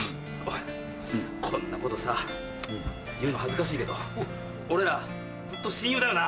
こんなことさ言うの恥ずかしいけど俺らずっと親友だよな？